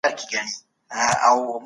ناوړه هیلي نه منل کېږي.